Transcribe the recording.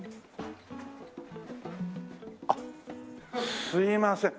あっすいません。